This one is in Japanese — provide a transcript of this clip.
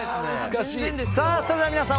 それでは皆さん